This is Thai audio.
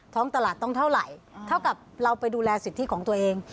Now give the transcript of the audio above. ตลาดต้องเท่าไหร่เท่ากับเราไปดูแลสิทธิของตัวเอง